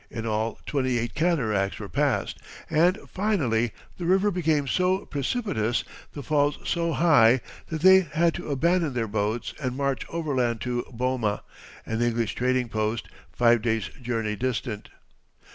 In all twenty eight cataracts were passed, and finally the river became so precipitous, the falls so high, that they had to abandon their boats and march overland to Boma, an English trading post, five days' journey distant.